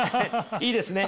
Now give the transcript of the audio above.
いいですね。